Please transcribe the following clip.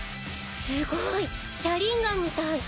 すごい！写輪眼みたい。